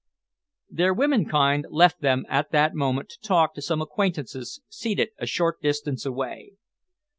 Their womenkind left them at that moment to talk to some acquaintances seated a short distance way.